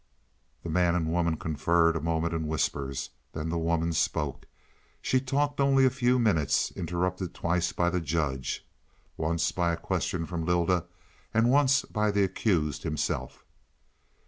The man and woman conferred a moment in whispers. Then the woman spoke. She talked only a few minutes, interrupted twice by the judge, once by a question from Lylda, and once by the accused himself.